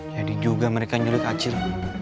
jadi juga mereka nyulik acil